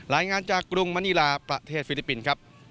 รายงานจากกรุงมณีลาประเทศฟิลิปปินส์ครับ